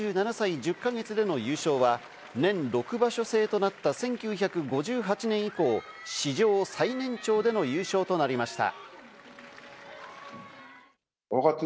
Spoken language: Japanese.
３７歳１０か月での優勝は年６場所制となった１９５８年以降、史上最年長での優勝となりました。